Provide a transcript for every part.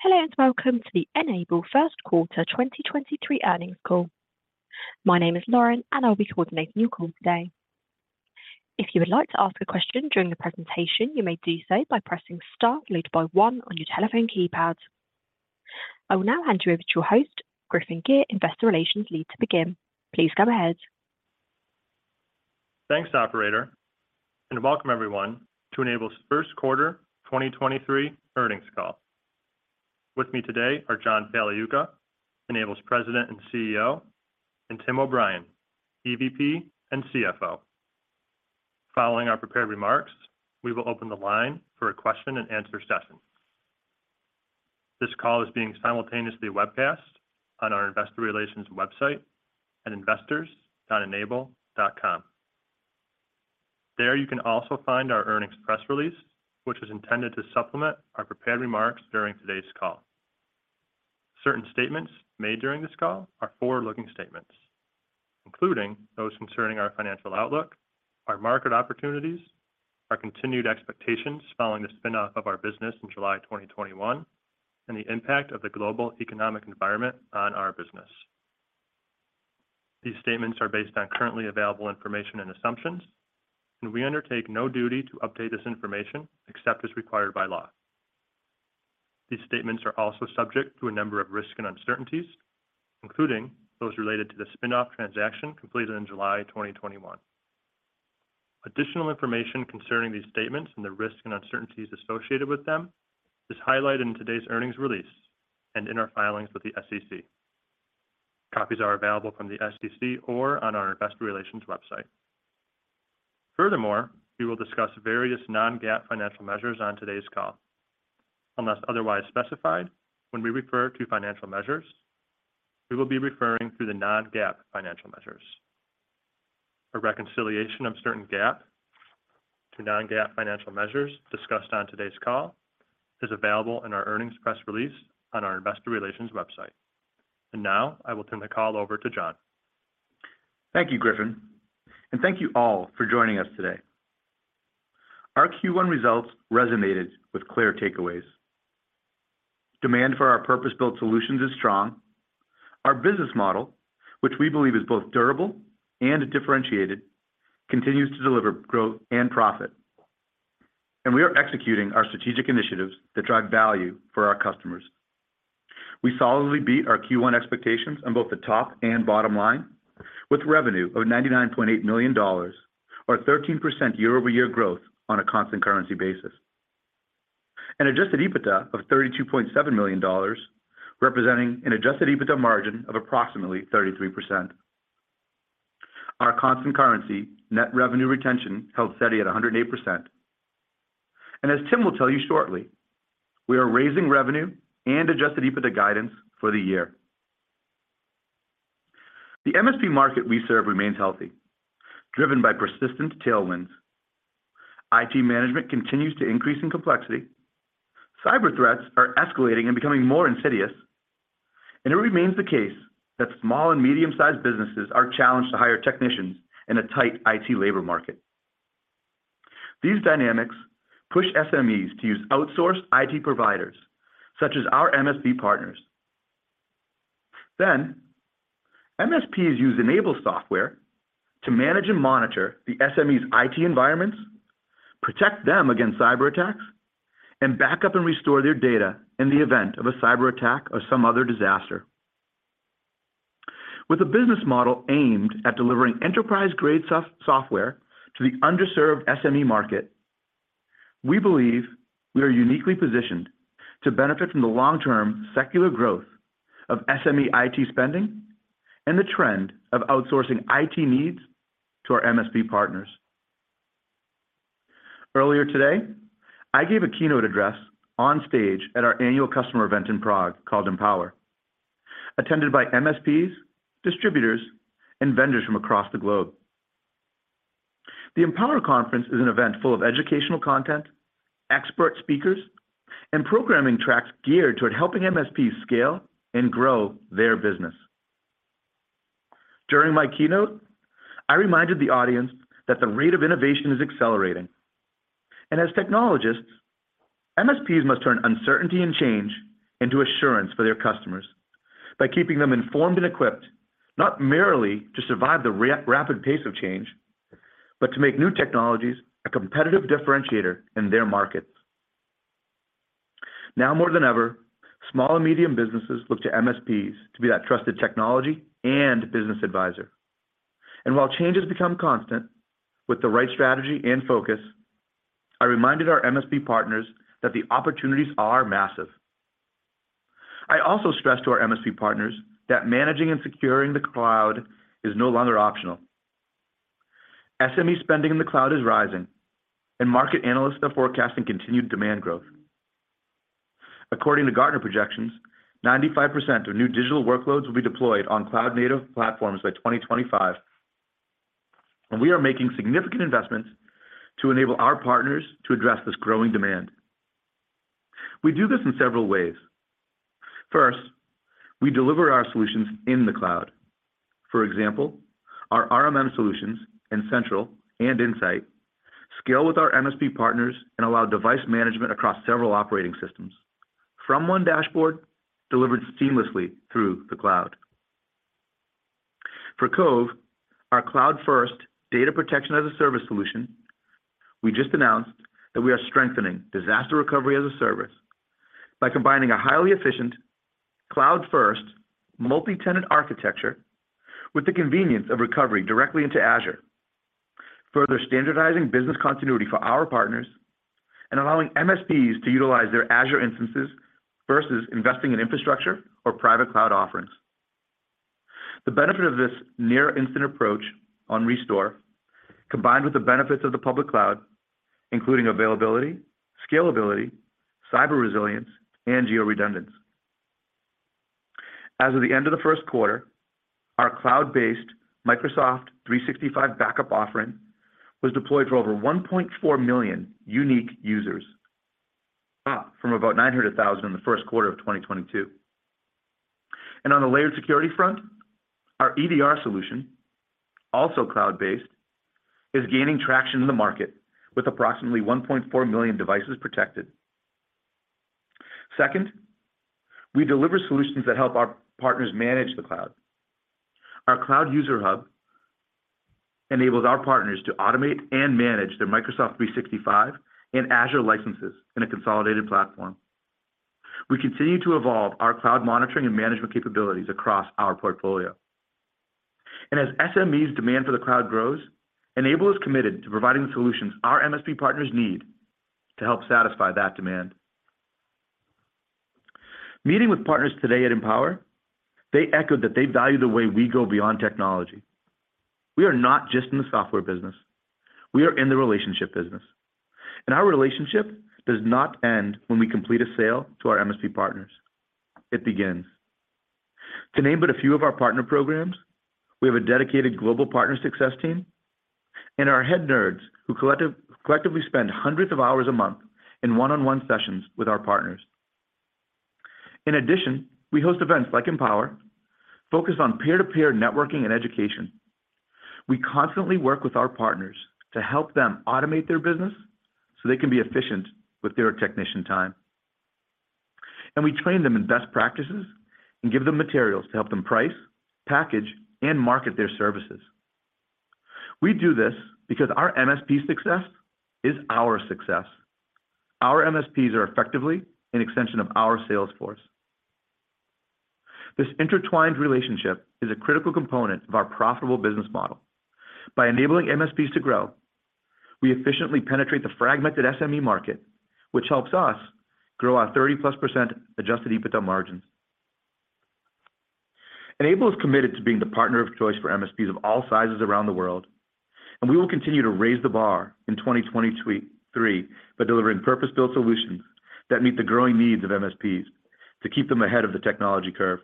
Hello, welcome to the N-able first quarter 2023 earnings call. My name is Lauren, and I'll be coordinating your call today. If you would like to ask a question during the presentation, you may do so by pressing star followed by one on your telephone keypad. I will now hand you over to your host, Griffin Gyr, investor relations lead to begin. Please go ahead. Thanks, operator, and welcome everyone to N-able's first quarter 2023 earnings call. With me today are John Pagliuca, N-able's President and CEO, and Tim O'Brien, EVP and CFO. Following our prepared remarks, we will open the line for a question and answer session. This call is being simultaneously webcast on our investor relations website at investors.n-able.com. There you can also find our earnings press release, which is intended to supplement our prepared remarks during today's call. Certain statements made during this call are forward-looking statements, including those concerning our financial outlook, our market opportunities, our continued expectations following the spin-off of our business in July 2021, and the impact of the global economic environment on our business. These statements are based on currently available information and assumptions, and we undertake no duty to update this information except as required by law. These statements are also subject to a number of risks and uncertainties, including those related to the spin-off transaction completed in July 2021. Additional information concerning these statements and the risks and uncertainties associated with them is highlighted in today's earnings release and in our filings with the SEC. Copies are available from the SEC or on our investor relations website. Furthermore, we will discuss various non-GAAP financial measures on today's call. Unless otherwise specified, when we refer to financial measures, we will be referring to the non-GAAP financial measures. A reconciliation of certain GAAP to non-GAAP financial measures discussed on today's call is available in our earnings press release on our investor relations website. Now, I will turn the call over to John. Thank you, Griffin, thank you all for joining us today. Our Q1 results resonated with clear takeaways. Demand for our purpose-built solutions is strong. Our business model, which we believe is both durable and differentiated, continues to deliver growth and profit. We are executing our strategic initiatives that drive value for our customers. We solidly beat our Q1 expectations on both the top and bottom line, with revenue of $99.8 million, or 13% year-over-year growth on a constant currency basis. An adjusted EBITDA of $32.7 million, representing an adjusted EBITDA margin of approximately 33%. Our constant currency net revenue retention held steady at 108%. As Tim will tell you shortly, we are raising revenue and adjusted EBITDA guidance for the year. The MSP market we serve remains healthy, driven by persistent tailwinds. IT management continues to increase in complexity. Cyber threats are escalating and becoming more insidious. It remains the case that small and medium-sized businesses are challenged to hire technicians in a tight IT labor market. These dynamics push SMEs to use outsourced IT providers, such as our MSP partners. MSPs use N-able software to manage and monitor the SME's IT environments, protect them against cyberattacks, and back up and restore their data in the event of a cyberattack or some other disaster. With a business model aimed at delivering enterprise-grade software to the underserved SME market, we believe we are uniquely positioned to benefit from the long-term secular growth of SME IT spending and the trend of outsourcing IT needs to our MSP partners. Earlier today, I gave a keynote address on stage at our annual customer event in Prague called Empower, attended by MSPs, distributors, and vendors from across the globe. The Empower Conference is an event full of educational content, expert speakers, and programming tracks geared toward helping MSPs scale and grow their business. During my keynote, I reminded the audience that the rate of innovation is accelerating. As technologists, MSPs must turn uncertainty and change into assurance for their customers by keeping them informed and equipped, not merely to survive the rapid pace of change, but to make new technologies a competitive differentiator in their markets. Now more than ever, small and medium businesses look to MSPs to be that trusted technology and business advisor. While change has become constant, with the right strategy and focus, I reminded our MSP partners that the opportunities are massive. I also stressed to our MSP partners that managing and securing the cloud is no longer optional. SME spending in the cloud is rising, and market analysts are forecasting continued demand growth. According to Gartner projections, 95% of new digital workloads will be deployed on cloud-native platforms by 2025, and we are making significant investments to enable our partners to address this growing demand. We do this in several ways. First, we deliver our solutions in the cloud. For example, our RMM solutions N-central and N-sight scale with our MSP partners and allow device management across several operating systems from one dashboard delivered seamlessly through the cloud. For Cove, our cloud-first data protection-as-a-service solution, we just announced that we are strengthening disaster recovery-as-a-service by combining a highly efficient cloud-first multi-tenant architecture with the convenience of recovery directly into Azure, further standardizing business continuity for our partners and allowing MSPs to utilize their Azure instances versus investing in infrastructure or private cloud offerings. The benefit of this near instant approach on restore, combined with the benefits of the public cloud, including availability, scalability, cyber resilience, and geo-redundancy. As of the end of the first quarter, our cloud-based Microsoft 365 backup offering was deployed for over 1.4 million unique users, up from about 900,000 in the first quarter of 2022. On the layered security front, our EDR solution, also cloud-based, is gaining traction in the market with approximately 1.4 million devices protected. Second, we deliver solutions that help our partners manage the cloud. Our Cloud User Hub enables our partners to automate and manage their Microsoft 365 and Azure licenses in a consolidated platform. We continue to evolve our cloud monitoring and management capabilities across our portfolio. As SMEs demand for the cloud grows, N-able is committed to providing the solutions our MSP partners need to help satisfy that demand. Meeting with partners today at Empower, they echoed that they value the way we go beyond technology. We are not just in the software business, we are in the relationship business, and our relationship does not end when we complete a sale to our MSP partners. It begins. To name but a few of our partner programs, we have a dedicated global partner success team and our Head Nerds who collectively spend hundreds of hours a month in one-on-one sessions with our partners. In addition, we host events like Empower, focused on peer-to-peer networking and education. We constantly work with our partners to help them automate their business so they can be efficient with their technician time. We train them in best practices and give them materials to help them price, package, and market their services. We do this because our MSP success is our success. Our MSPs are effectively an extension of our sales force. This intertwined relationship is a critical component of our profitable business model. By enabling MSPs to grow, we efficiently penetrate the fragmented SME market, which helps us grow our 30%+ adjusted EBITDA margins. N-able is committed to being the partner of choice for MSPs of all sizes around the world, and we will continue to raise the bar in 2023 by delivering purpose-built solutions that meet the growing needs of MSPs to keep them ahead of the technology curve.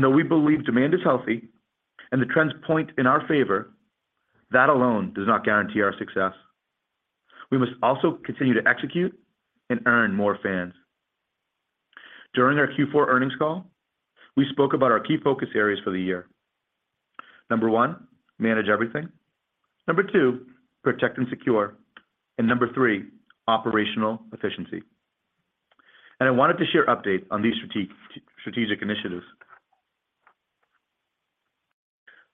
Though we believe demand is healthy and the trends point in our favor, that alone does not guarantee our success. We must also continue to execute and earn more fans. During our Q4 earnings call, we spoke about our key focus areas for the year. Number one, manage everything. Number two, protect and secure. And number three, operational efficiency. I wanted to share updates on these strategic initiatives.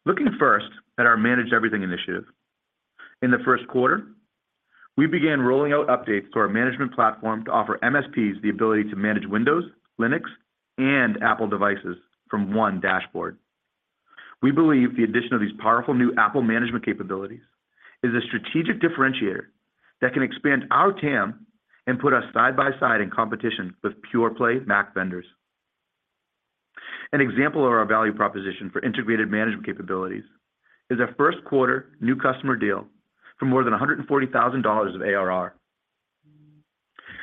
Looking first at our Manage Everything initiative. In the first quarter, we began rolling out updates to our management platform to offer MSPs the ability to manage Windows, Linux, and Apple devices from one dashboard. We believe the addition of these powerful new Apple management capabilities is a strategic differentiator that can expand our TAM and put us side by side in competition with pure play Mac vendors. An example of our value proposition for integrated management capabilities is our first quarter new customer deal for more than $140,000 of ARR.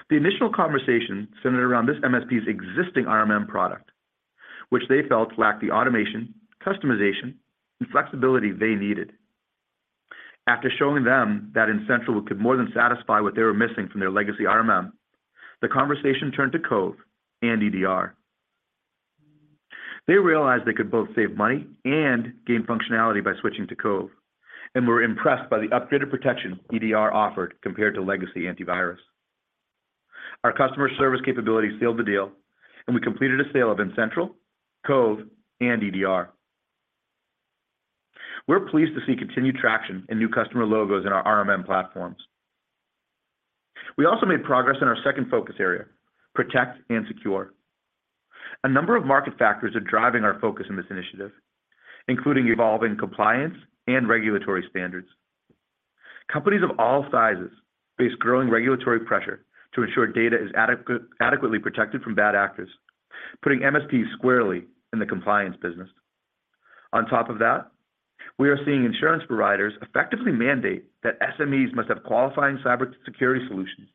The initial conversation centered around this MSP's existing RMM product, which they felt lacked the automation, customization, and flexibility they needed. After showing them that N-central could more than satisfy what they were missing from their legacy RMM, the conversation turned to Cove and EDR. They realized they could both save money and gain functionality by switching to Cove and were impressed by the upgraded protection EDR offered compared to legacy antivirus. Our customer service capabilities sealed the deal, and we completed a sale of N-central, Cove, and EDR. We're pleased to see continued traction and new customer logos in our RMM platforms. We also made progress in our second focus area, Protect and Secure. A number of market factors are driving our focus in this initiative, including evolving compliance and regulatory standards. Companies of all sizes face growing regulatory pressure to ensure data is adequately protected from bad actors, putting MSPs squarely in the compliance business. On top of that, we are seeing insurance providers effectively mandate that SMEs must have qualifying cybersecurity solutions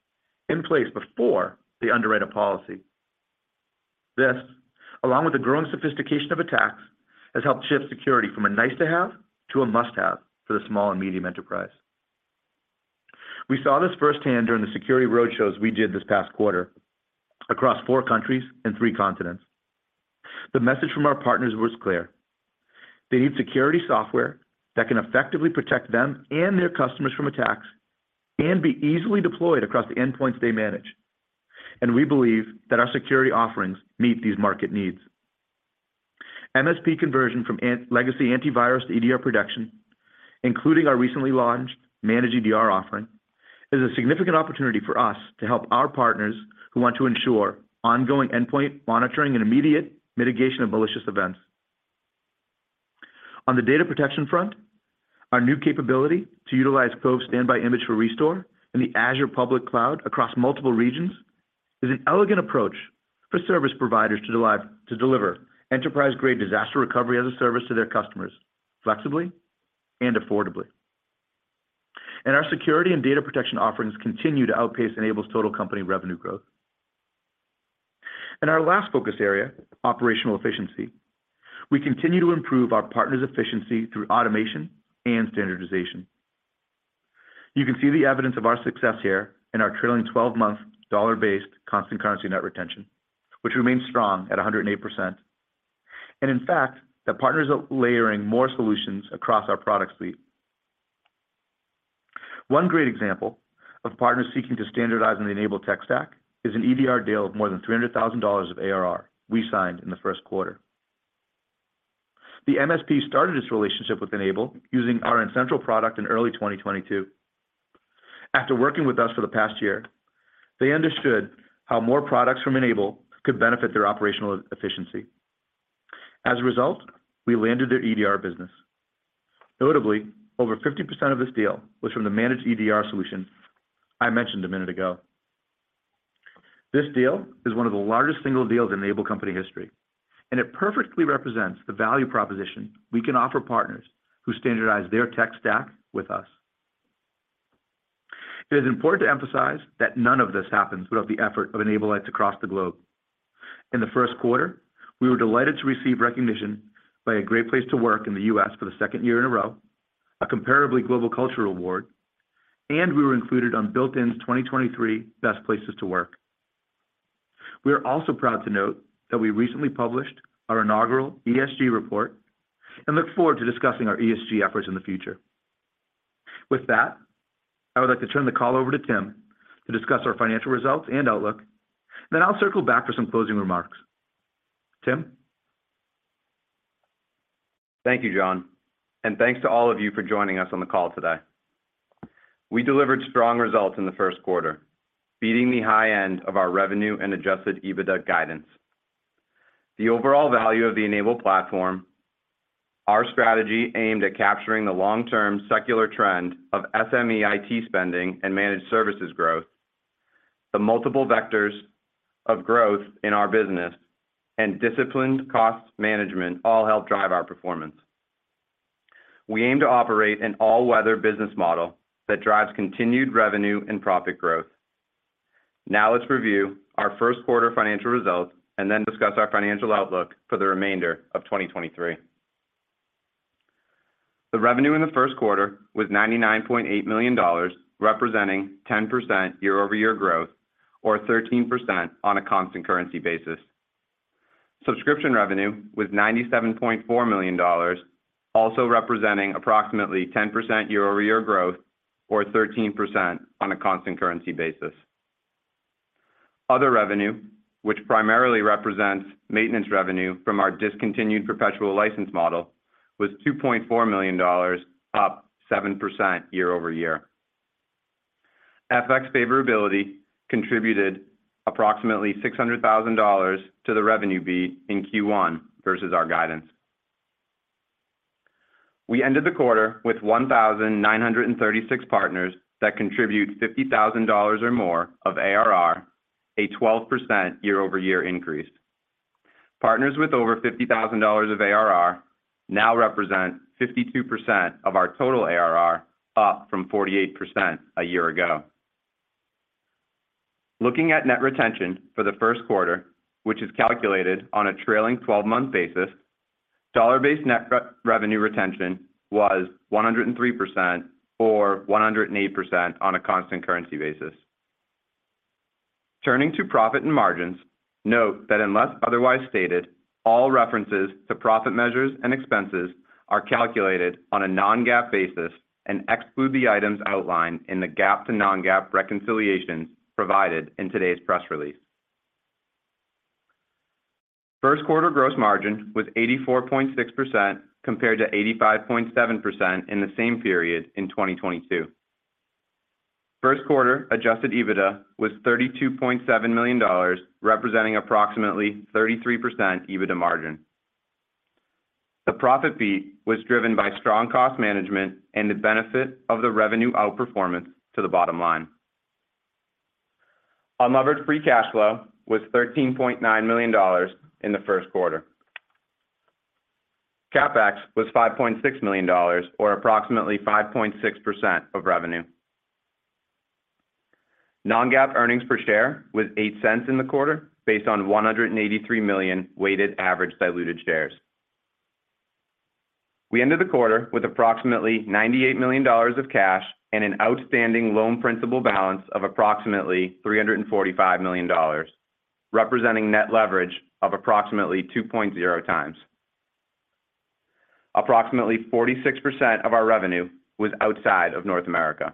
in place before they underwrite a policy. This, along with the growing sophistication of attacks, has helped shift security from a nice to have to a must-have for the small and medium enterprise. We saw this firsthand during the security roadshows we did this past quarter across four countries and three continents. The message from our partners was clear. They need security software that can effectively protect them and their customers from attacks and be easily deployed across the endpoints they manage. We believe that our security offerings meet these market needs. MSP conversion from legacy antivirus to EDR production, including our recently launched Managed EDR offering, is a significant opportunity for us to help our partners who want to ensure ongoing endpoint monitoring and immediate mitigation of malicious events. On the data protection front, our new capability to utilize Cove Standby Image for Restore in the Azure public cloud across multiple regions is an elegant approach for service providers to deliver enterprise-grade disaster recovery-as-a-service to their customers flexibly and affordably. Our security and data protection offerings continue to outpace N-able's total company revenue growth. In our last focus area, operational efficiency, we continue to improve our partners' efficiency through automation and standardization. You can see the evidence of our success here in our trailing twelve-month dollar-based constant currency net retention, which remains strong at 108%, and in fact, that partners are layering more solutions across our product suite. One great example of partners seeking to standardize on the N-able tech stack is an EDR deal of more than $300,000 of ARR we signed in the first quarter. The MSP started its relationship with N-able using our N-central product in early 2022. After working with us for the past year, they understood how more products from N-able could benefit their operational efficiency. As a result, we landed their EDR business. Notably, over 50% of this deal was from the Managed EDR solution I mentioned a minute ago. This deal is one of the largest single deals in N-able company history, and it perfectly represents the value proposition we can offer partners who standardize their tech stack with us. It is important to emphasize that none of this happens without the effort of N-ablites across the globe. In the first quarter, we were delighted to receive recognition by a Great Place to Work in the US for the second year in a row, a Comparably Global Culture Award, and we were included on Built In's 2023 Best Places to Work. We are also proud to note that we recently published our inaugural ESG report and look forward to discussing our ESG efforts in the future. With that, I would like to turn the call over to Tim to discuss our financial results and outlook. I'll circle back for some closing remarks. Tim. Thank you, John. Thanks to all of you for joining us on the call today. We delivered strong results in the first quarter, beating the high end of our revenue and adjusted EBITDA guidance. The overall value of the N-able platform, our strategy aimed at capturing the long-term secular trend of SME IT spending and managed services growth, the multiple vectors of growth in our business, and disciplined cost management all help drive our performance. We aim to operate an all-weather business model that drives continued revenue and profit growth. Now let's review our first quarter financial results and then discuss our financial outlook for the remainder of 2023. The revenue in the first quarter was $99.8 million, representing 10% year-over-year growth, or 13% on a constant currency basis. Subscription revenue was $97.4 million, also representing approximately 10% year-over-year growth, or 13% on a constant currency basis. Other revenue, which primarily represents maintenance revenue from our discontinued perpetual license model, was $2.4 million, up 7% year-over-year. FX favorability contributed approximately $600,000 to the revenue beat in Q1 versus our guidance. We ended the quarter with 1,936 partners that contribute $50,000 or more of ARR, a 12% year-over-year increase. Partners with over $50,000 of ARR now represent 52% of our total ARR, up from 48% a year ago. Looking at net retention for the first quarter, which is calculated on a trailing twelve-month basis, dollar-based net revenue retention was 103%, or 108% on a constant currency basis. Turning to profit and margins, note that unless otherwise stated, all references to profit measures and expenses are calculated on a non-GAAP basis and exclude the items outlined in the GAAP to non-GAAP reconciliation provided in today's press release. First quarter gross margin was 84.6% compared to 85.7% in the same period in 2022. First quarter adjusted EBITDA was $32.7 million, representing approximately 33% EBITDA margin. The profit beat was driven by strong cost management and the benefit of the revenue outperformance to the bottom line. Unlevered free cash flow was $13.9 million in the first quarter. CapEx was $5.6 million, or approximately 5.6% of revenue. Non-GAAP earnings per share was $0.08 in the quarter, based on 183 million weighted average diluted shares. We ended the quarter with approximately $98 million of cash and an outstanding loan principal balance of approximately $345 million, representing net leverage of approximately 2.0 times. Approximately 46% of our revenue was outside of North America.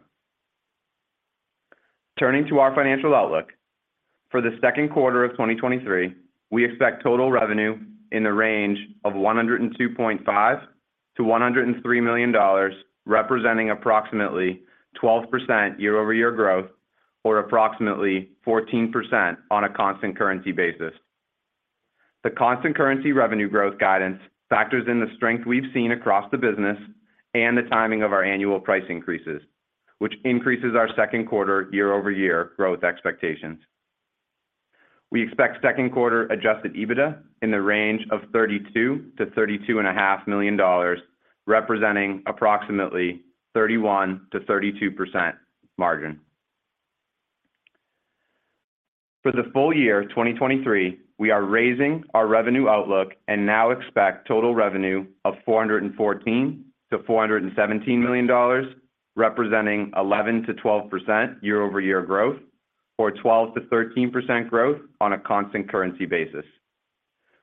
Turning to our financial outlook, for the second quarter of 2023, we expect total revenue in the range of $102.5 million-$103 million, representing approximately 12% year-over-year growth, or approximately 14% on a constant currency basis. The constant currency revenue growth guidance factors in the strength we've seen across the business and the timing of our annual price increases, which increases our second quarter year-over-year growth expectations. We expect second quarter adjusted EBITDA in the range of $32 million to thirty-two and a half million dollars, representing approximately 31%-32% margin. For the full year 2023, we are raising our revenue outlook and now expect total revenue of $414 million-$417 million, representing 11%-12% year-over-year growth, or 12%-13% growth on a constant currency basis.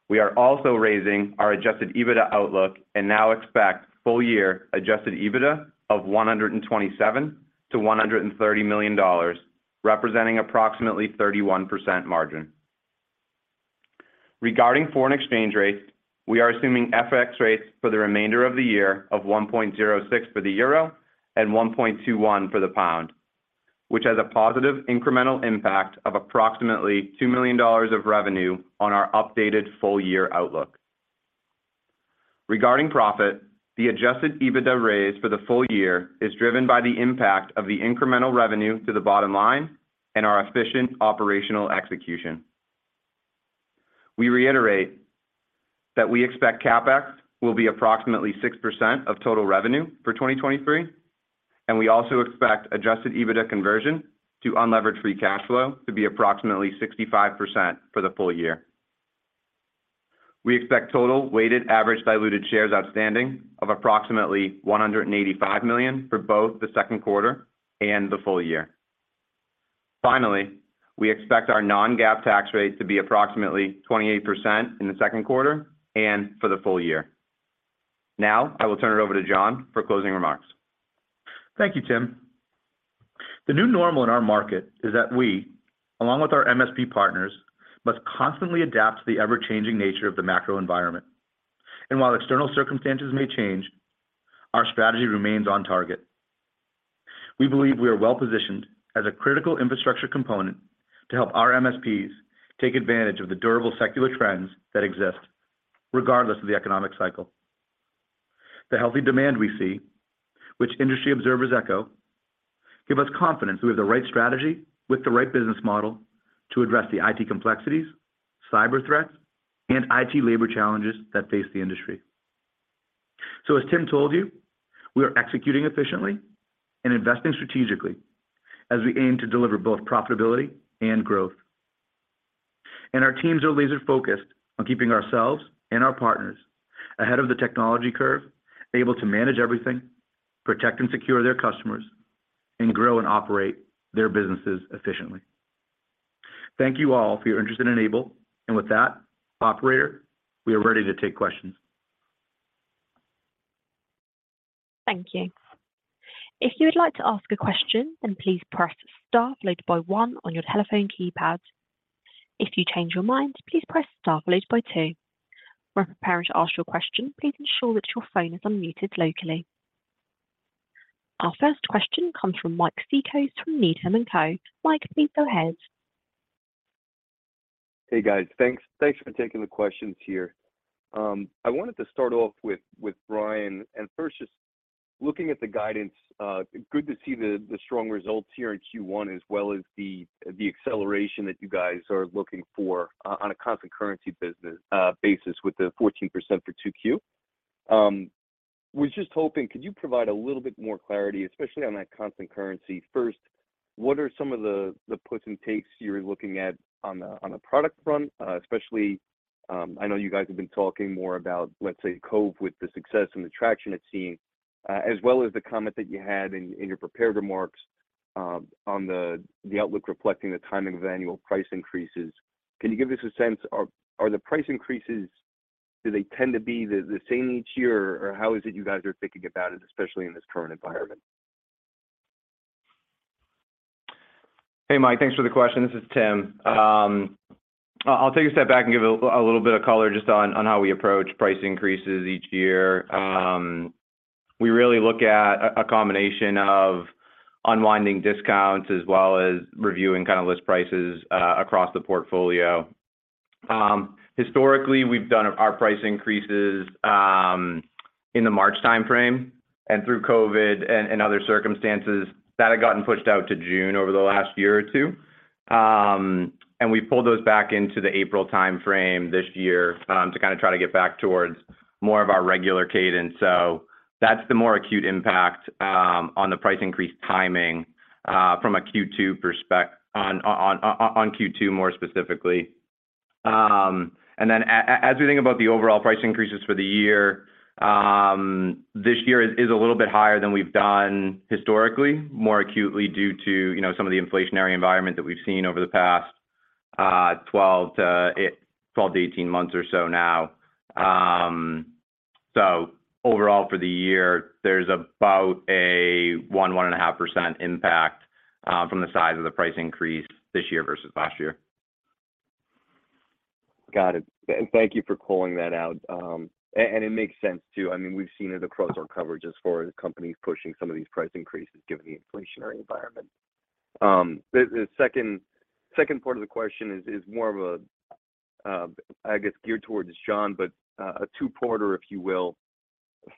We are also raising our adjusted EBITDA outlook and now expect full year adjusted EBITDA of $127 million-$130 million, representing approximately 31% margin. Regarding foreign exchange rates, we are assuming FX rates for the remainder of the year of 1.06 for the euro and 1.21 for the pound, which has a positive incremental impact of approximately $2 million of revenue on our updated full year outlook. Regarding profit, the adjusted EBITDA raise for the full year is driven by the impact of the incremental revenue to the bottom line and our efficient operational execution. We reiterate that we expect CapEx will be approximately 6% of total revenue for 2023, we also expect adjusted EBITDA conversion to unlevered free cash flow to be approximately 65% for the full year. We expect total weighted average diluted shares outstanding of approximately 185 million for both the second quarter and the full year. Finally, we expect our non-GAAP tax rate to be approximately 28% in the second quarter and for the full year. Now I will turn it over to John for closing remarks. Thank you, Tim. The new normal in our market is that we, along with our MSP partners, must constantly adapt to the ever-changing nature of the macro environment. While external circumstances may change, our strategy remains on target. We believe we are well positioned as a critical infrastructure component to help our MSPs take advantage of the durable secular trends that exist regardless of the economic cycle. The healthy demand we see, which industry observers echo, give us confidence we have the right strategy with the right business model to address the IT complexities, cyber threats, and IT labor challenges that face the industry. As Tim told you, we are executing efficiently and investing strategically as we aim to deliver both profitability and growth. Our teams are laser-focused on keeping ourselves and our partners ahead of the technology curve, able to manage everything, protect and secure their customers, and grow and operate their businesses efficiently. Thank you all for your interest in N-able. With that, operator, we are ready to take questions. Thank you. If you would like to ask a question, please press star followed by one on your telephone keypad. If you change your mind, please press star followed by two. When preparing to ask your question, please ensure that your phone is unmuted locally. Our first question comes from Mike Cikos from Needham & Company. Mike, please go ahead. Hey guys. Thanks for taking the questions here. I wanted to start off with O'Brien, and first just looking at the guidance, good to see the strong results here in Q1 as well as the acceleration that you guys are looking for on a constant currency basis with the 14% for 2Q. was just hoping could you provide a little bit more clarity, especially on that constant currency? First, what are some of the puts and takes you're looking at on the product front, especially, I know you guys have been talking more about, let's say, Cove with the success and the traction it's seeing, as well as the comment that you had in your prepared remarks, on the outlook reflecting the timing of annual price increases. Can you give us a sense, are the price increases, do they tend to be the same each year, or how is it you guys are thinking about it, especially in this current environment? Hey Mike, thanks for the question. This is Tim. I'll take a step back and give a little bit of color just on how we approach price increases each year. We really look at a combination of unwinding discounts as well as reviewing kind of list prices, across the portfolio. Historically, we've done our price increases, in the March timeframe, and through COVID and other circumstances that had gotten pushed out to June over the last year or two. We pulled those back into the April timeframe this year, to kind of try to get back towards more of our regular cadence. That's the more acute impact on the price increase timing from a Q2 on Q2 more specifically. As we think about the overall price increases for the year, this year is a little bit higher than we've done historically, more acutely due to, you know, some of the inflationary environment that we've seen over the past 12-18 months or so now. Overall for the year, there's about a 1.5% impact from the size of the price increase this year versus last year. Got it. Thank you for calling that out. And it makes sense, too. I mean, we've seen it across our coverage as far as companies pushing some of these price increases given the inflationary environment. The second part of the question is more of a, I guess geared towards John, but a two-parter, if you will.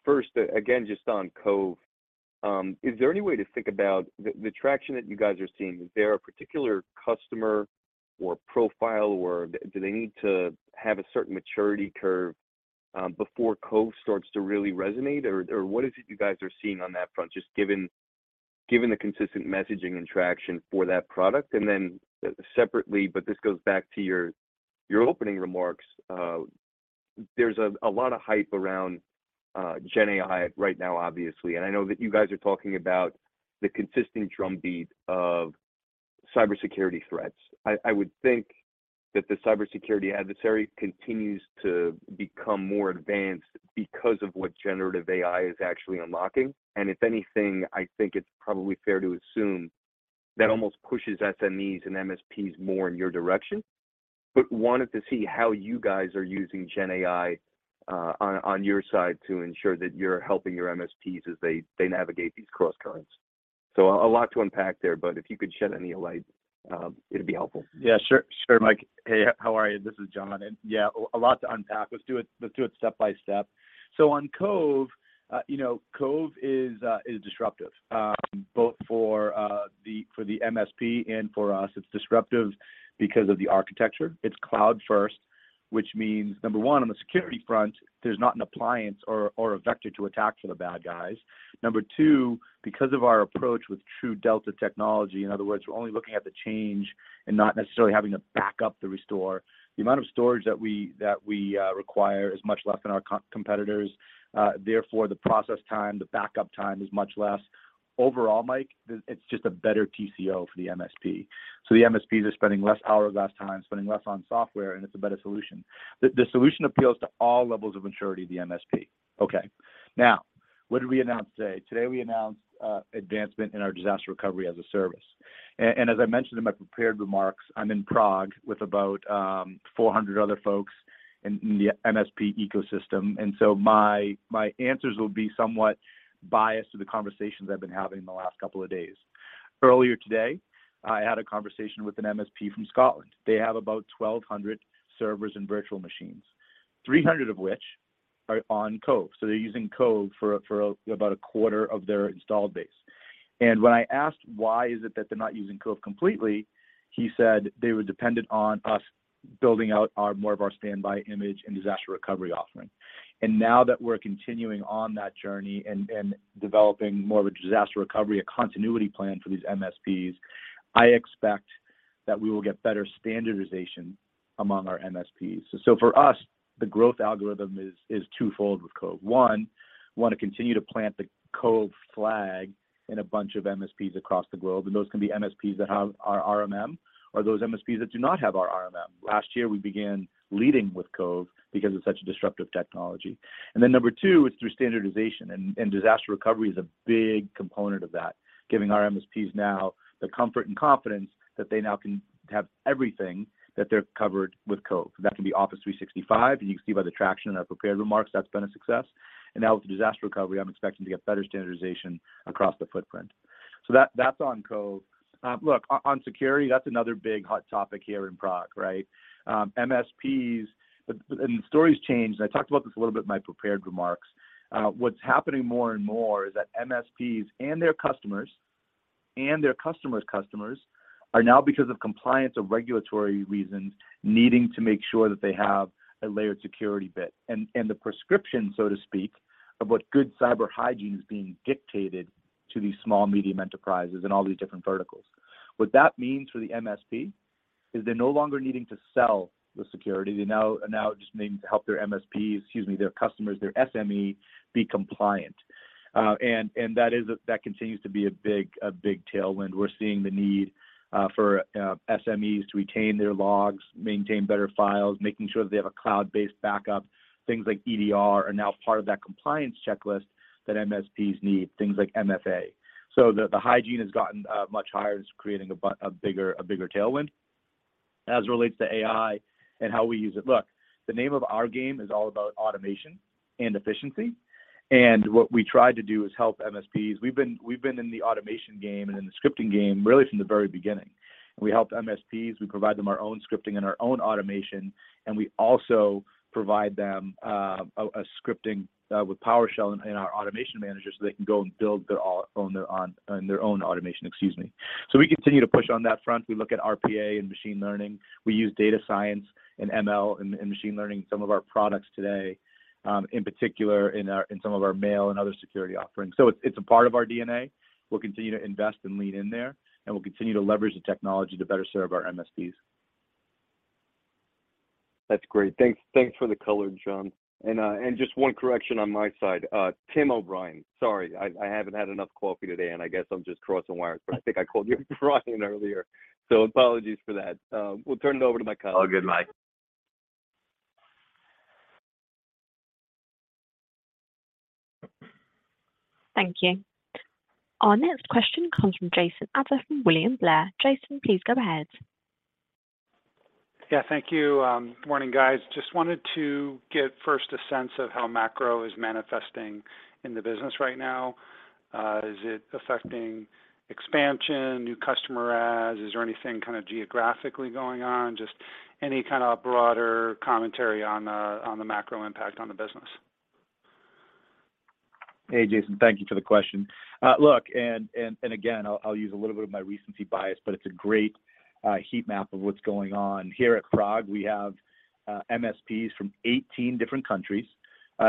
First, again, just on Cove, is there any way to think about the traction that you guys are seeing? Is there a particular customer or profile, or do they need to have a certain maturity curve before Cove starts to really resonate? Or what is it you guys are seeing on that front, just given the consistent messaging and traction for that product? Then separately, but this goes back to your opening remarks, there's a lot of hype around GenAI right now, obviously, and I know that you guys are talking about the consistent drumbeat of cybersecurity threats. I would think that the cybersecurity adversary continues to become more advanced because of what generative AI is actually unlocking. If anything, I think it's probably fair to assume that almost pushes SMEs and MSPs more in your direction. Wanted to see how you guys are using GenAI on your side to ensure that you're helping your MSPs as they navigate these crosscurrents. A lot to unpack there, but if you could shed any light, it'd be helpful. Yeah, sure. Sure, Mike. Hey, how are you? This is John. Yeah, a lot to unpack. Let's do it step by step. On Cove, you know, Cove is disruptive, both for the, for the MSP and for us. It's disruptive because of the architecture. It's cloud first, which means, number one, on the security front, there's not an appliance or a vector to attack for the bad guys. Number two, because of our approach with TrueDelta technology, in other words, we're only looking at the change and not necessarily having to back up the restore, the amount of storage that we require is much less than our co- competitors. The process time, the backup time is much less. Overall, Mike, it's just a better TCO for the MSP. The MSPs are spending less hourglass time, spending less on software, and it's a better solution. The solution appeals to all levels of maturity of the MSP. Okay. Now, what did we announce today? Today, we announced advancement in our disaster recovery-as-a-service. As I mentioned in my prepared remarks, I'm in Prague with about 400 other folks in the MSP ecosystem. My answers will be somewhat biased to the conversations I've been having the last couple of days. Earlier today, I had a conversation with an MSP from Scotland. They have about 1,200 servers and virtual machines, 300 of which are on Cove. They're using Cove for about a quarter of their installed base. When I asked why is it that they're not using Cove completely, he said they were dependent on us building out more of our Standby Image and disaster recovery offering. Now that we're continuing on that journey and developing more of a disaster recovery, a continuity plan for these MSPs, I expect that we will get better standardization among our MSPs. For us, the growth algorithm is twofold with Cove. One, want to continue to plant the Cove flag in a bunch of MSPs across the globe, and those can be MSPs that have our RMM or those MSPs that do not have our RMM. Last year, we began leading with Cove because it's such a disruptive technology. Number two, it's through standardization, and disaster recovery is a big component of that, giving our MSPs now the comfort and confidence that they now can have everything that they're covered with Cove. That can be Office 365, and you can see by the traction in our prepared remarks, that's been a success. Now with the disaster recovery, I'm expecting to get better standardization across the footprint. That's on Cove. Look, on security, that's another big hot topic here in Prague, right? MSPs. The story's changed. I talked about this a little bit in my prepared remarks. What's happening more and more is that MSPs and their customers, and their customers' customers are now, because of compliance or regulatory reasons, needing to make sure that they have a layered security bit, and the prescription, so to speak, of what good cyber hygiene is being dictated to these small, medium enterprises in all these different verticals. What that means for the MSP is they're no longer needing to sell the security. They now it just means to help their MSPs, excuse me, their customers, their SME be compliant. That continues to be a big tailwind. We're seeing the need for SMEs to retain their logs, maintain better files, making sure that they have a cloud-based backup. Things like EDR are now part of that compliance checklist that MSPs need, things like MFA. The hygiene has gotten much higher and is creating a bigger tailwind. As it relates to AI and how we use it, look, the name of our game is all about automation and efficiency, and what we try to do is help MSPs. We've been in the automation game and in the scripting game really from the very beginning. We helped MSPs. We provide them our own scripting and our own automation, and we also provide them a scripting with PowerShell in our Automation Manager, so they can go and build their own automation. Excuse me. We continue to push on that front. We look at RPA and machine learning. We use data science and ML in machine learning in some of our products today, in particular in our, in some of our mail and other security offerings. It's a part of our DNA. We'll continue to invest and lean in there, we'll continue to leverage the technology to better serve our MSPs. That's great. Thanks for the color, John. Just one correction on my side. Tim O'Brien. Sorry, I haven't had enough coffee today, and I guess I'm just crossing wires. I think I called you Brian earlier, apologies for that. We'll turn it over to Griffin Gyr. All good, Mike. Thank you. Our next question comes from Jason Ader from William Blair. Jason, please go ahead. Yeah, thank you. Morning, guys. Just wanted to get first a sense of how macro is manifesting in the business right now. Is it affecting expansion, new customer adds? Is there anything kind of geographically going on? Just any kind of broader commentary on the macro impact on the business. Hey, Jason. Thank you for the question. Look, and again, I'll use a little bit of my recency bias, but it's a great heat map of what's going on. Here at Prague, we have MSPs from 18 different countries,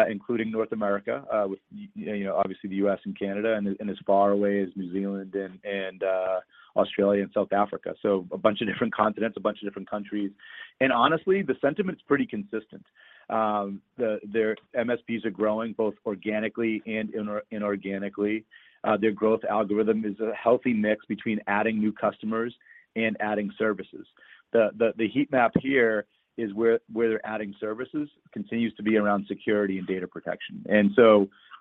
including North America, with, you know, obviously the U.S. and Canada, and as far away as New Zealand and Australia and South Africa. A bunch of different continents, a bunch of different countries. Honestly, the sentiment's pretty consistent. Their MSPs are growing both organically and inorganically. Their growth algorithm is a healthy mix between adding new customers and adding services. The heat map here is where they're adding services continues to be around security and data protection.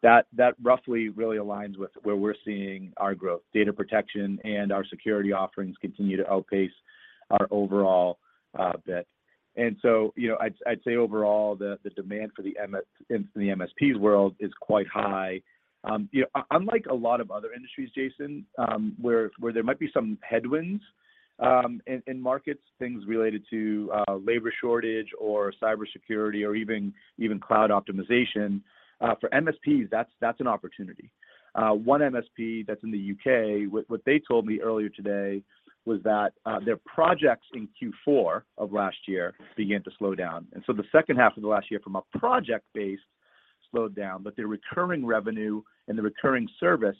That roughly really aligns with where we're seeing our growth. Data protection and our security offerings continue to outpace our overall bit. You know, I'd say overall, the demand for the MSPs world is quite high. You know, unlike a lot of other industries, Jason, where there might be some headwinds in markets, things related to labor shortage or cybersecurity or even cloud optimization. For MSPs, that's an opportunity. One MSP that's in the U.K., what they told me earlier today was that their projects in Q4 of last year began to slow down. The second half of the last year from a project base slowed down, but their recurring revenue and the recurring service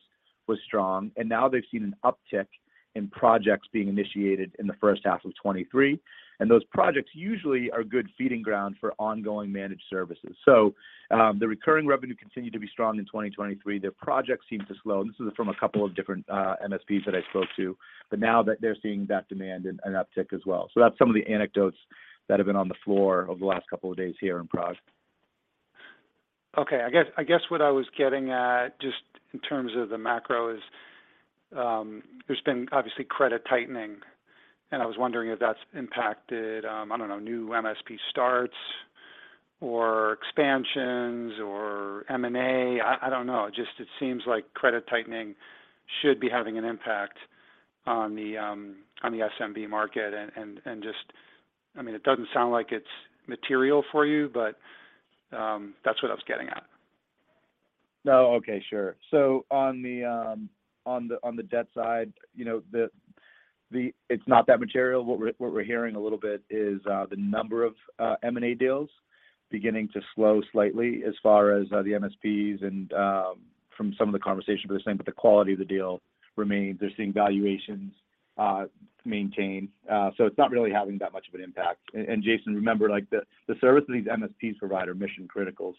was strong. Now they've seen an uptick in projects being initiated in the first half of 2023. Those projects usually are good feeding ground for ongoing managed services. The recurring revenue continued to be strong in 2023. Their projects seemed to slow, and this is from a couple of different MSPs that I spoke to. Now that they're seeing that demand an uptick as well. That's some of the anecdotes that have been on the floor over the last couple of days here in Prague. Okay. I guess what I was getting at, just in terms of the macro is, there's been obviously credit tightening, and I was wondering if that's impacted, I don't know, new MSP starts or expansions or M&A. I don't know. Just it seems like credit tightening should be having an impact on the, on the SMB market. I mean, it doesn't sound like it's material for you, but, that's what I was getting at. No. Okay, sure. On the debt side, you know, it's not that material. What we're hearing a little bit is the number of M&A deals beginning to slow slightly as far as the MSPs and from some of the conversations were the same, but the quality of the deal remains. They're seeing valuations maintained. It's not really having that much of an impact. Jason, remember, like, the service that these MSPs provide are mission-critical.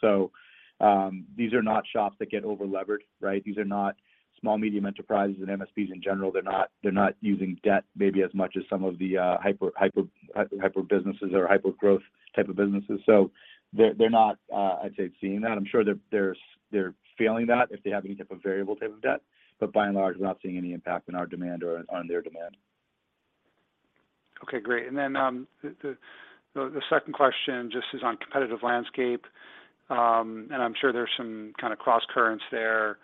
These are not shops that get over-levered, right? These are not small, medium enterprises and MSPs in general. They're not using debt maybe as much as some of the hyper businesses or hyper-growth type of businesses. They're not, I'd say seeing that. I'm sure they're feeling that if they have any type of variable type of debt. By and large, we're not seeing any impact on our demand or on their demand. Okay, great. Then, the second question just is on competitive landscape. I'm sure there's some kind of crosscurrents there.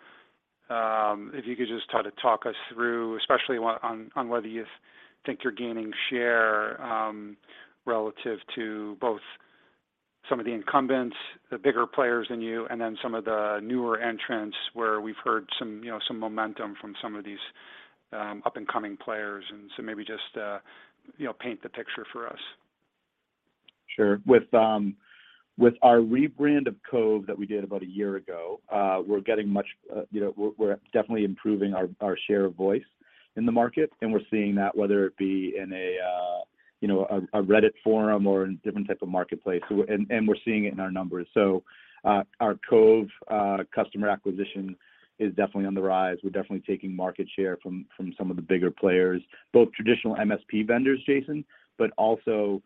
If you could just try to talk us through, especially on whether you think you're gaining share, relative to both some of the incumbents, the bigger players than you, and then some of the newer entrants where we've heard some, you know, some momentum from some of these, up-and-coming players. So maybe just, you know, paint the picture for us. Sure. With, with our rebrand of Cove that we did about a year ago, we're getting much, you know, we're definitely improving our share of voice in the market, and we're seeing that whether it be in a, you know, a Reddit forum or in different type of marketplace, and we're seeing it in our numbers. Our Cove customer acquisition is definitely on the rise. We're definitely taking market share from some of the bigger players, both traditional MSP vendors, Jason, but also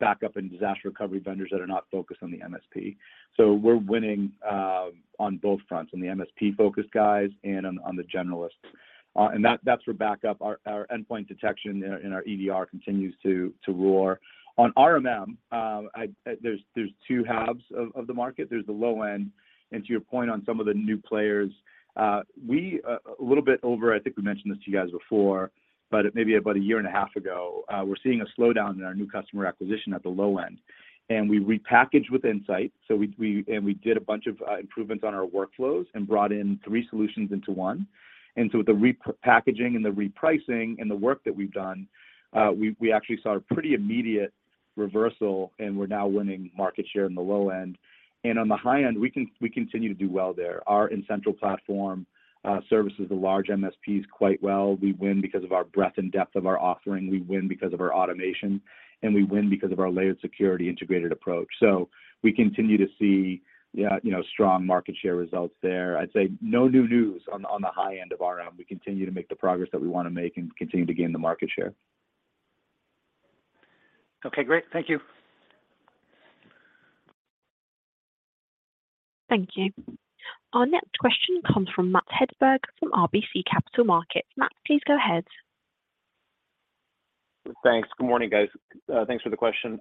backup and disaster recovery vendors that are not focused on the MSP. We're winning on both fronts, on the MSP-focused guys and on the generalists. That's for backup. Our endpoint detection and our EDR continues to roar. On RMM, there's two halves of the market. There's the low end. To your point on some of the new players, a little bit over, I think we mentioned this to you guys before, but maybe about 1.5 years ago, we're seeing a slowdown in our new customer acquisition at the low end, we repackaged with N-sight. We did a bunch of improvements on our workflows and brought in three solutions into one. The repackaging and the repricing and the work that we've done, we actually saw a pretty immediate... reversal. We're now winning market share in the low end. On the high end, we continue to do well there. Our essential platform services the large MSPs quite well. We win because of our breadth and depth of our offering, we win because of our automation, and we win because of our layered security integrated approach. We continue to see, yeah, you know, strong market share results there. I'd say no new news on the high end of our end. We continue to make the progress that we wanna make and continue to gain the market share. Okay, great. Thank you. Thank you. Our next question comes from Matt Hedberg from RBC Capital Markets. Matt, please go ahead. Thanks. Good morning, guys. Thanks for the question.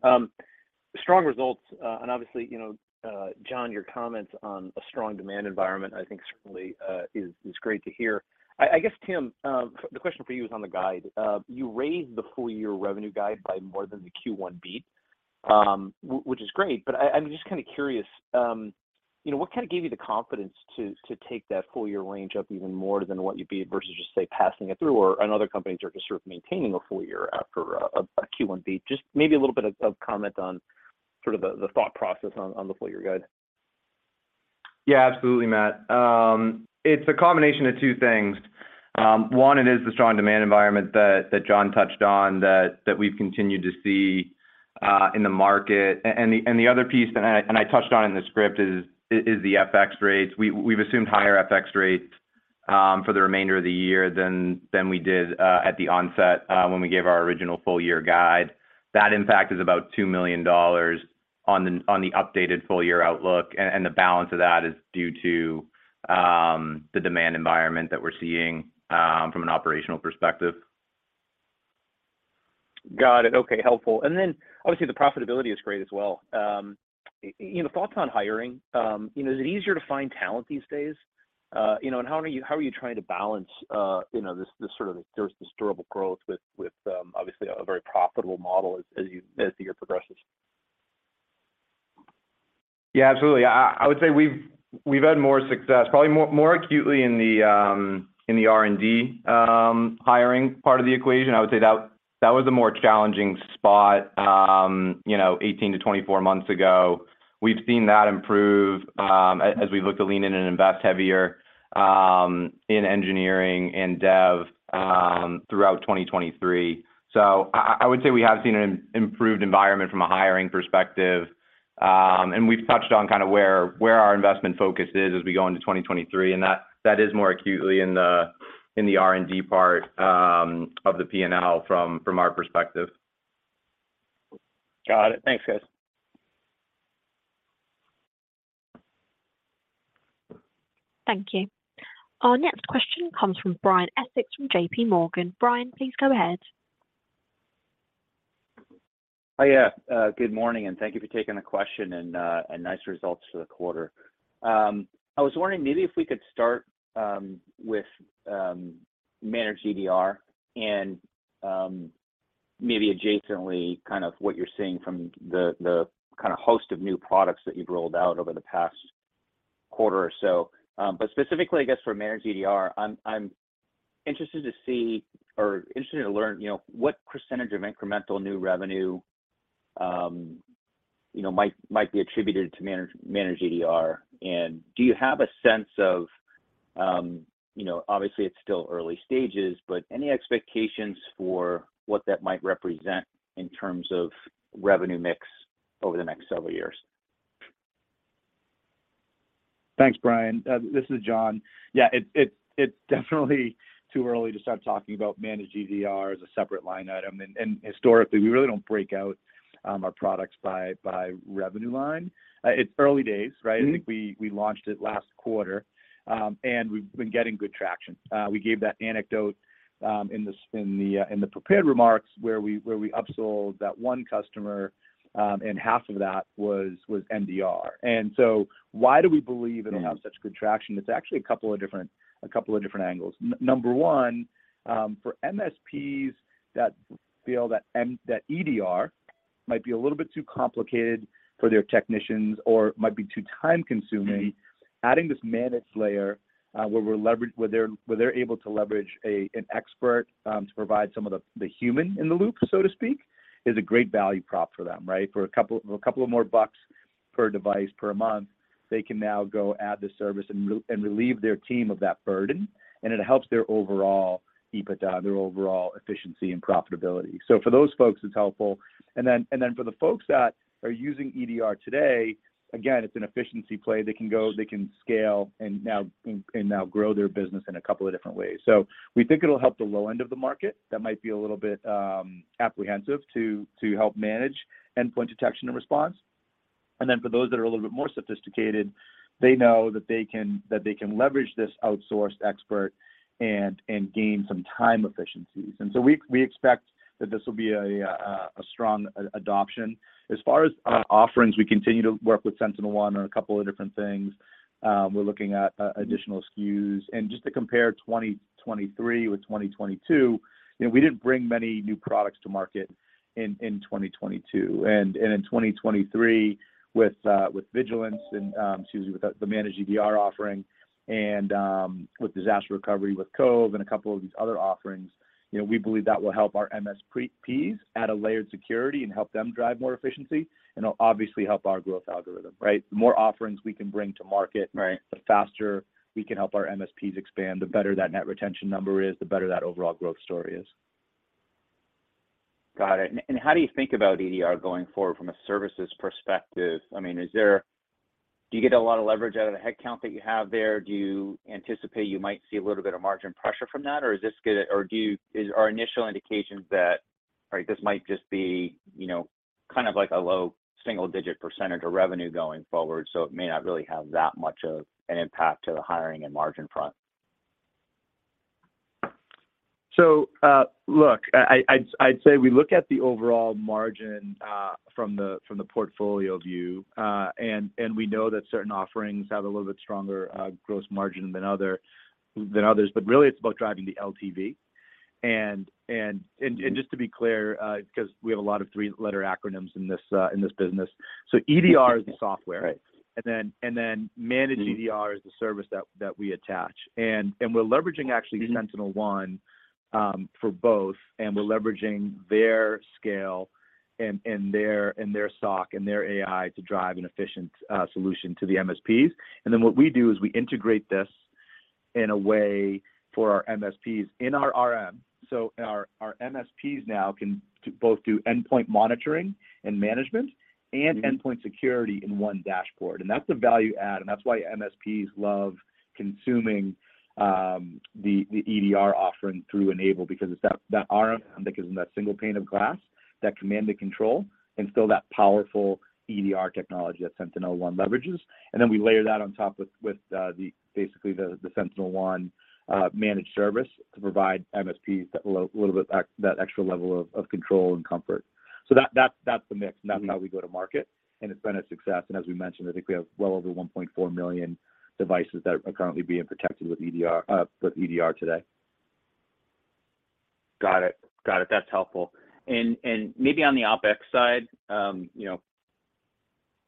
Strong results, and obviously, you know, John, your comments on a strong demand environment, I think certainly is great to hear. I guess, Tim, the question for you is on the guide. You raised the full year revenue guide by more than the Q1 beat, which is great, but I'm just kinda curious, you know, what kind of gave you the confidence to take that full year range up even more than what you bid versus just, say, passing it through or, I know other companies are just sort of maintaining a full year after a Q1 beat. Just maybe a little bit of comment on sort of the thought process on the full year guide. Yeah, absolutely, Matt. It's a combination of 2 things. One, it is the strong demand environment that John touched on that we've continued to see in the market. And the other piece, and I touched on it in the script is the FX rates. We've assumed higher FX rates for the remainder of the year than we did at the onset when we gave our original full year guide. That impact is about $2 million on the updated full year outlook, and the balance of that is due to the demand environment that we're seeing from an operational perspective. Got it. Okay, helpful. Obviously the profitability is great as well. You know, thoughts on hiring? You know, is it easier to find talent these days? You know, and how are you trying to balance, you know, this sort of durable growth with, obviously a very profitable model as the year progresses? Absolutely. I would say we've had more success, probably more acutely in the R&D hiring part of the equation. I would say that was a more challenging spot, you know, 18-24 months ago. We've seen that improve as we look to lean in and invest heavier in engineering and dev throughout 2023. I would say we have seen an improved environment from a hiring perspective. We've touched on kind of where our investment focus is as we go into 2023, and that is more acutely in the R&D part of the P&L from our perspective. Got it. Thanks, guys. Thank you. Our next question comes from Brian Essex from J.P. Morgan. Brian, please go ahead. Yeah. Good morning and thank you for taking the question, and nice results for the quarter. I was wondering maybe if we could start with Managed EDR and maybe adjacently kind of what you're seeing from the kind of host of new products that you've rolled out over the past quarter or so. Specifically I guess for Managed EDR, I'm interested to see or interested to learn, you know, what percentage of incremental new revenue, you know, might be attributed to Managed EDR. Do you have a sense of, you know... obviously, it's still early stages, but any expectations for what that might represent in terms of revenue mix over the next several years? Thanks, Brian. This is John. Yeah. It's definitely too early to start talking about Managed EDR as a separate line item. Historically, we really don't break out our products by revenue line. It's early days, right? Mm-hmm. I think we launched it last quarter, and we've been getting good traction. We gave that anecdote in the prepared remarks where we upsold that one customer, and half of that was MDR. Why do we believe it'll have such good traction? It's actually a couple of different angles. Number one, for MSPs that feel that EDR might be a little bit too complicated for their technicians or might be too time-consuming... Mm-hmm adding this managed layer, where they're able to leverage an expert to provide some of the human in the loop, so to speak, is a great value prop for them, right? For a couple of more bucks per device per month, they can now go add the service and relieve their team of that burden, and it helps their overall EBITDA, their overall efficiency and profitability. For those folks, it's helpful. Then for the folks that are using EDR today, again, it's an efficiency play. They can go, they can scale and now grow their business in a couple of different ways. We think it'll help the low end of the market that might be a little bit apprehensive to help manage Endpoint Detection and Response. Then for those that are a little bit more sophisticated, they know that they can leverage this outsourced expert and gain some time efficiencies. So we expect that this will be a strong adoption. As far as offerings, we continue to work with SentinelOne on a couple of different things. We're looking at additional SKUs. Just to compare 2023 with 2022, you know, we didn't bring many new products to market in 2022. In 2023 with Vigilance and, excuse me, with the Managed EDR offering and with disaster recovery with Cove and a couple of these other offerings. We believe that will help our MSPs add a layered security and help them drive more efficiency, and it'll obviously help our growth algorithm, right? The more offerings we can bring to market. Right the faster we can help our MSPs expand, the better that net retention number is, the better that overall growth story is. Got it. How do you think about EDR going forward from a services perspective? I mean, do you get a lot of leverage out of the head count that you have there? Do you anticipate you might see a little bit of margin pressure from that? Or are initial indications that, right, this might just be, you know, kind of like a low single-digit percent of revenue going forward, so it may not really have that much of an impact to the hiring and margin front? Look, I'd say we look at the overall margin, from the portfolio view, and we know that certain offerings have a little bit stronger, gross margin than others. Really it's about driving the LTV. Just to be clear, because we have a lot of three-letter acronyms in this business. EDR is the software. Right. Managed EDR is the service that we attach. We're leveraging actually SentinelOne for both, and we're leveraging their scale and their SOC and their AI to drive an efficient solution to the MSPs. What we do is we integrate this in a way for our MSPs in our RM. Our MSPs now can both do endpoint monitoring and management and endpoint security in one dashboard. That's a value add, and that's why MSPs love consuming the EDR offering through N-able because it's that RM that gives them that single pane of glass, that command and control, and still that powerful EDR technology that SentinelOne leverages. We layer that on top with basically the SentinelOne managed service to provide MSPs that extra level of control and comfort. That's the mix, and that's how we go to market, and it's been a success. As we mentioned, I think we have well over 1.4 million devices that are currently being protected with EDR today. Got it. That's helpful. Maybe on the OpEx side, you know,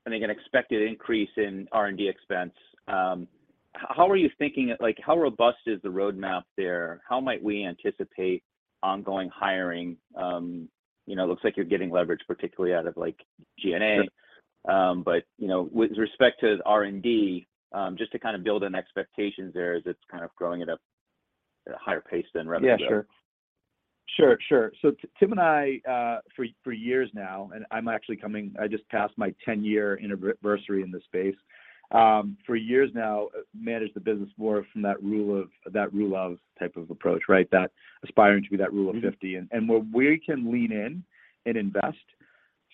I think an expected increase in R&D expense. How are you thinking? Like, how robust is the roadmap there? How might we anticipate ongoing hiring? You know, it looks like you're getting leverage particularly out of, like, G&A. You know, with respect to R&D, just to kind of build in expectations there as it's kind of growing at a higher pace than revenue. Yeah, sure. Sure, sure. Tim and I, for years now, and I'm actually coming... I just passed my 10-year anniversary in this space. For years now managed the business more from that rule of type of approach, right? That aspiring to be that Rule of 50. Where we can lean in and invest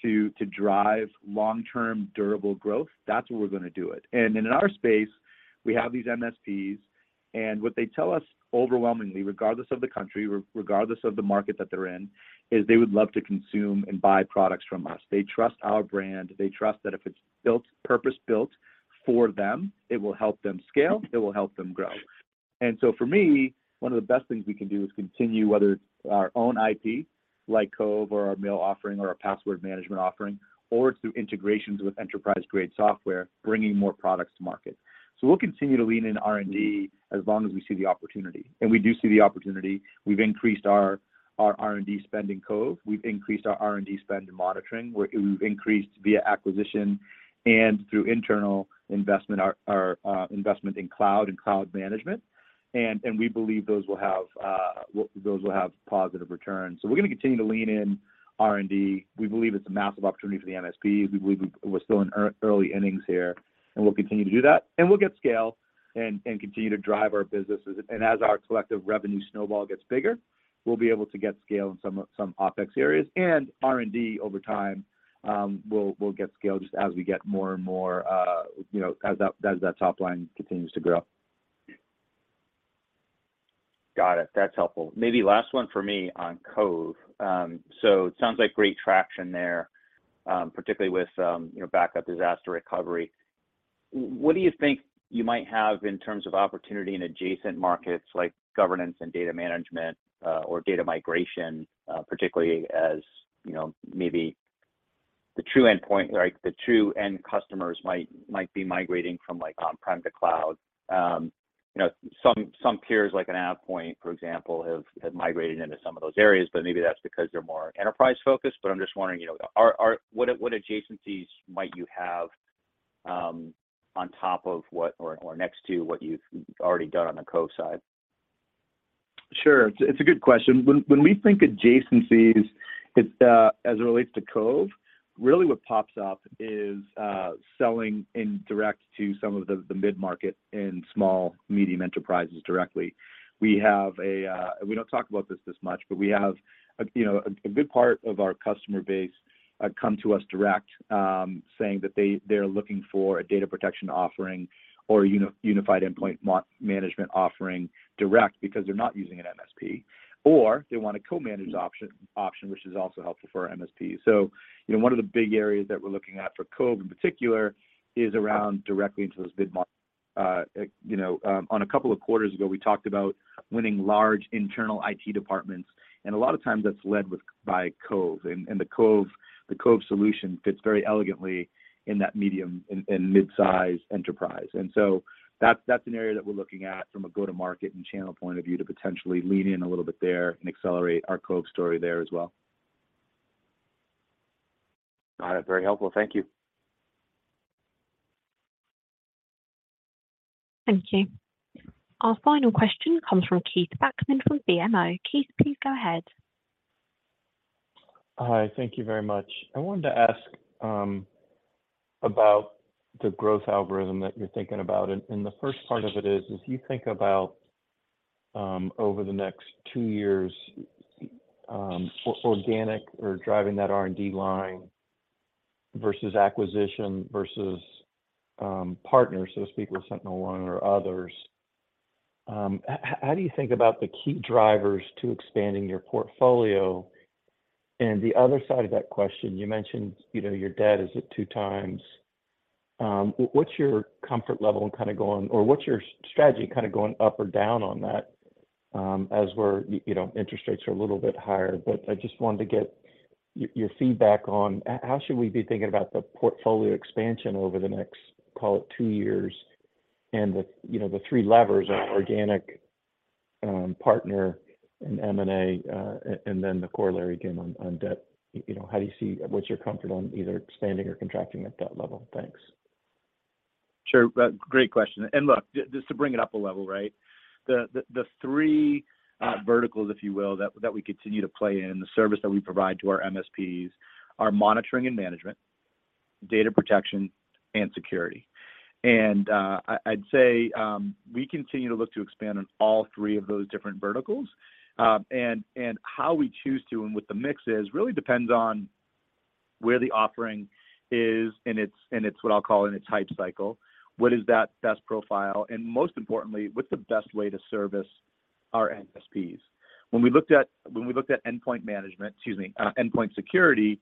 to drive long-term durable growth, that's where we're gonna do it. In our space we have these MSPs, and what they tell us overwhelmingly, regardless of the country, regardless of the market that they're in, is they would love to consume and buy products from us. They trust our brand. They trust that if it's built, purpose-built for them, it will help them scale, it will help them grow. For me, one of the best things we can do is continue, whether it's our own IP, like Cove or our mail offering or our password management offering, or through integrations with enterprise-grade software, bringing more products to market. We'll continue to lean in R&D as long as we see the opportunity, and we do see the opportunity. We've increased our R&D spend in Cove. We've increased our R&D spend in monitoring. We've increased via acquisition and through internal investment our investment in cloud and cloud management, and we believe those will have positive returns. We're gonna continue to lean in R&D. We believe it's a massive opportunity for the MSPs. We believe we're still in early innings here, and we'll continue to do that. We'll get scale and continue to drive our businesses. As our collective revenue snowball gets bigger, we'll be able to get scale in some OpEx areas. R&D over time, will get scale just as we get more and more, you know, as that top line continues to grow. Got it. That's helpful. Maybe last one for me on Cove. It sounds like great traction there, particularly with, you know, backup disaster recovery. What do you think you might have in terms of opportunity in adjacent markets like governance and data management, or data migration, particularly as, you know, maybe the true endpoint, like the true end customers might be migrating from like on-prem to cloud? You know, some peers, like an AvePoint, for example, have migrated into some of those areas, but maybe that's because they're more enterprise focused. I'm just wondering, you know, What adjacencies might you have, on top of what or next to what you've already done on the Cove side? Sure. It's, it's a good question. When, when we think adjacencies, as it relates to Cove, really what pops up is selling in direct to some of the mid-market and small medium enterprises directly. We have a, we don't talk about this much, but we have a, you know, a good part of our customer base come to us direct, saying that they're looking for a data protection offering or unified endpoint management offering direct because they're not using an MSP, or they want a co-managed option, which is also helpful for our MSPs. You know, one of the big areas that we're looking at for Cove in particular is around directly into those mid-market. You know, on a couple of quarters ago, we talked about winning large internal IT departments, and a lot of times that's led with, by Cove. The Cove solution fits very elegantly in that medium and mid-size enterprise. That's an area that we're looking at from a go-to-market and channel point of view to potentially lean in a little bit there and accelerate our Cove story there as well. All right. Very helpful. Thank you. Thank you. Our final question comes from Keith Bachman from BMO. Keith, please go ahead. Hi. Thank you very much. I wanted to ask about the growth algorithm that you're thinking about. The first part of it is, as you think about over the next 2 years, or organic or driving that R&D line versus acquisition versus partners, so to speak, with SentinelOne or others, how do you think about the key drivers to expanding your portfolio? The other side of that question, you mentioned, you know, your debt is at 2x. What's your comfort level in kinda going or what's your strategy kinda going up or down on that, as we're, you know, interest rates are a little bit higher. I just wanted to get your feedback on how should we be thinking about the portfolio expansion over the next, call it, 2 years and the, you know, the 3 levers are organic, partner, and M&A, and then the corollary again on debt. You know, what's your comfort on either expanding or contracting at that level? Thanks. Sure. Great question. Look, just to bring it up a level, right? The three verticals, if you will, that we continue to play in, the service that we provide to our MSPs are monitoring and management, data protection, and security. I'd say, we continue to look to expand on all three of those different verticals. How we choose to and what the mix is really depends on where the offering is in its, in its, what I'll call in its hype cycle. What is that best profile? Most importantly, what's the best way to service our MSPs? When we looked at, when we looked at endpoint management... excuse me, endpoint security,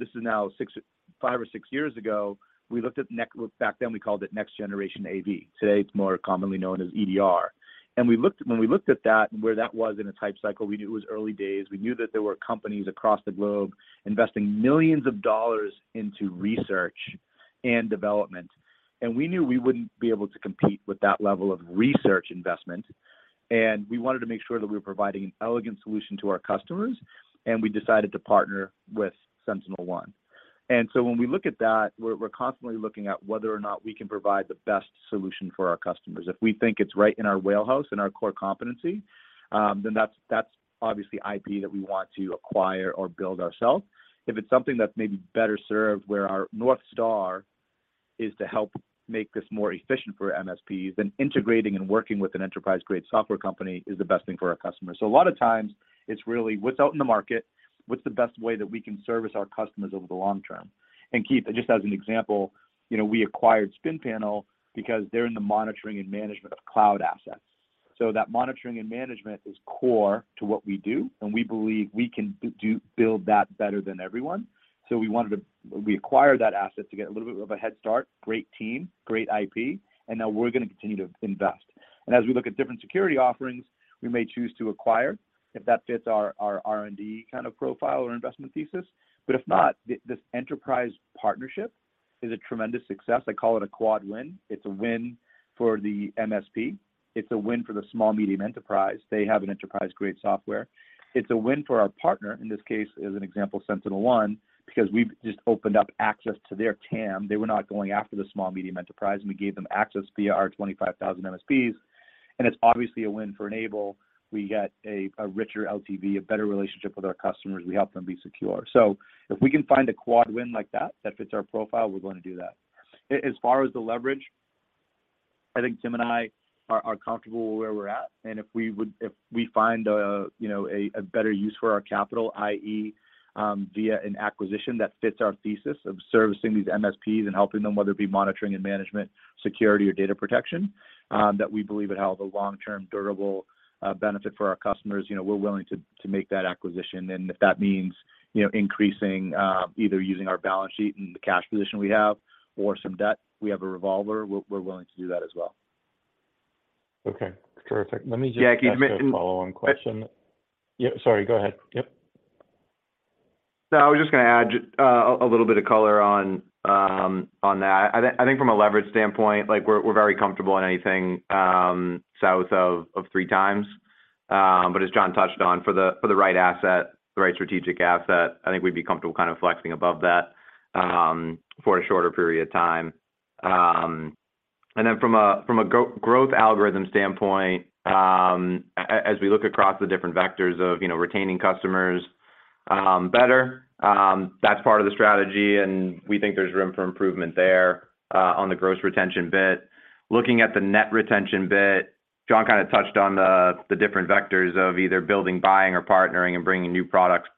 this is now 6, 5 or 6 years ago. We looked at. Back then, we called it next generation AV. Today, it's more commonly known as EDR. When we looked at that and where that was in a hype cycle, we knew it was early days. We knew that there were companies across the globe investing millions of dollars into research and development, and we knew we wouldn't be able to compete with that level of research investment, and we wanted to make sure that we were providing an elegant solution to our customers, and we decided to partner with SentinelOne. When we look at that, we're constantly looking at whether or not we can provide the best solution for our customers. If we think it's right in our wheelhouse, in our core competency, then that's obviously IP that we want to acquire or build ourselves. If it's something that may be better served where our north star is to help make this more efficient for MSPs, then integrating and working with an enterprise-grade software company is the best thing for our customers. A lot of times, it's really what's out in the market, what's the best way that we can service our customers over the long term. Keith, just as an example, you know, we acquired Spinpanel because they're in the monitoring and management of cloud assets. That monitoring and management is core to what we do, and we believe we can do build that better than everyone. We wanted to. We acquired that asset to get a little bit of a head start. Great team, great IP, and now we're gonna continue to invest. As we look at different security offerings, we may choose to acquire if that fits our R&D kind of profile or investment thesis. If not, this enterprise partnership is a tremendous success. I call it a quad win. It's a win for the MSP. It's a win for the small medium enterprise. They have an enterprise-grade software. It's a win for our partner, in this case, as an example, SentinelOne, because we've just opened up access to their TAM. They were not going after the small medium enterprise, and we gave them access via our 25,000 MSPs, and it's obviously a win for N-able. We get a richer LTV, a better relationship with our customers. We help them be secure. If we can find a quad win like that fits our profile, we're gonna do that. As far as the leverage, I think Jim and I are comfortable where we're at. If we find, you know, a better use for our capital, i.e., via an acquisition that fits our thesis of servicing these MSPs and helping them, whether it be monitoring and management, security or data protection, that we believe it'll have a long-term durable benefit for our customers, you know, we're willing to make that acquisition. If that means, you know, increasing, either using our balance sheet and the cash position we have or some debt, we have a revolver, we're willing to do that as well. Okay. Terrific. Let me just- Yeah. Keith. ask a follow-on question. Yeah. Sorry. Go ahead. Yep. No, I was just gonna add a little bit of color on that. I think from a leverage standpoint, like we're very comfortable in anything south of three times. As John touched on, for the right asset, the right strategic asset, I think we'd be comfortable kind of flexing above that for a shorter period of time. From a growth algorithm standpoint, as we look across the different vectors of, you know, retaining customers better, that's part of the strategy, and we think there's room for improvement there on the gross retention bit. Looking at the net retention bit, John kind of touched on the different vectors of either building, buying or partnering and bringing new products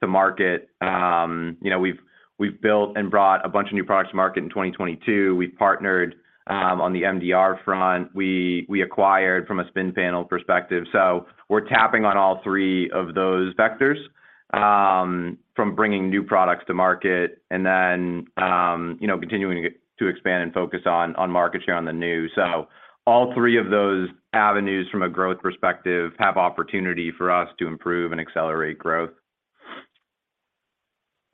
to market. You know, we've built and brought a bunch of new products to market in 2022. We've partnered on the MDR front. We acquired from a Spinpanel perspective. We're tapping on all three of those vectors from bringing new products to market and then, you know, continuing to expand and focus on market share on the new. All three of those avenues from a growth perspective have opportunity for us to improve and accelerate growth.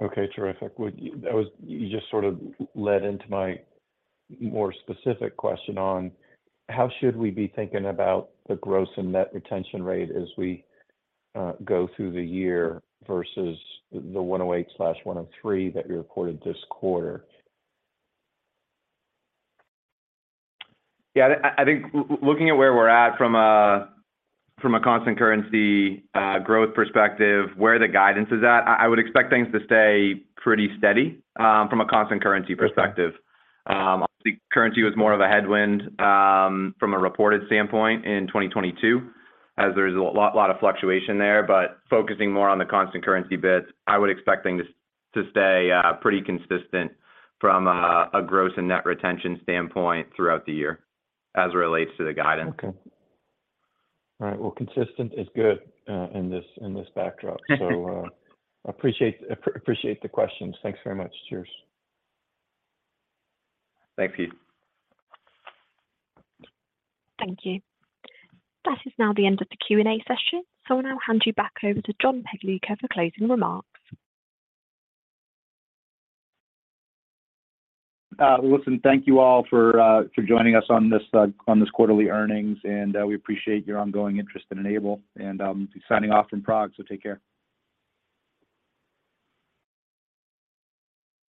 Okay. Terrific. Well, you just sort of led into my more specific question on how should we be thinking about the gross and net retention rate as we go through the year versus the 108%/103% that you reported this quarter? I think looking at where we're at from a constant currency growth perspective, where the guidance is at, I would expect things to stay pretty steady from a constant currency perspective. Obviously currency was more of a headwind from a reported standpoint in 2022, as there was a lot of fluctuation there. Focusing more on the constant currency bit, I would expect things to stay pretty consistent from a gross and net retention standpoint throughout the year as it relates to the guidance. Okay. All right. Well, consistent is good in this backdrop. Appreciate the questions. Thanks very much. Cheers. Thanks, Keith. Thank you. That is now the end of the Q&A session, so I'll now hand you back over to John Pagliuca for closing remarks. Listen, thank you all for joining us on this quarterly earnings, and we appreciate your ongoing interest in N-able. Signing off from Prague, so take care.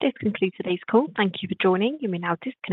This concludes today's call. Thank you for joining. You may now dis-.